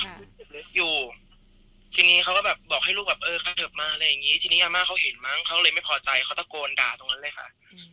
อยู่ทีนี้เขาก็แบบบอกให้ลูกแบบเออเขาเถอะมาอะไรอย่างงี้ทีนี้อาม่าเขาเห็นมั้งเขาเลยไม่พอใจเขาตะโกนด่าตรงนั้นเลยค่ะ